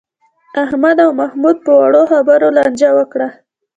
احمد او محمود په وړو خبرو لانجه وکړه.